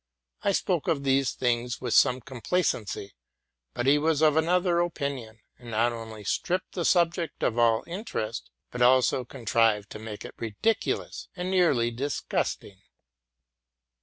I spoke of these things with some complacency; but he was of an other opinion, and not only stripped the subject of all inter est, but also contrived to make it ridiculous and nearly disgusting.